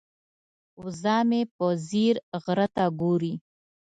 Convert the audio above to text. وزه مې په ځیر غره ته ګوري.